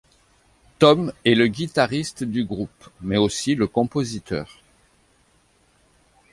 Tom est le guitariste du groupe mais aussi le compositeur.